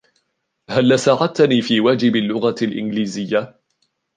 هلّا ساعدتني في واجب اللغة الإنجليزية ؟